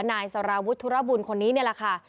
นายสารวุฒิธุรบุญคนนี้นี่แหละค่ะ